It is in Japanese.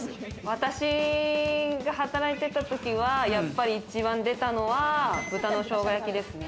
私が働いてた時はやっぱり一番出たのは豚のしょうが焼きですね。